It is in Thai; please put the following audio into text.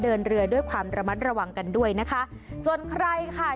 เดินเรือด้วยความระมัดระวังกันด้วยนะคะส่วนใครค่ะ